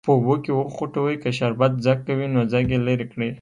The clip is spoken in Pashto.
په اوبو کې وخوټوئ که شربت ځګ کوي نو ځګ یې لرې کړئ.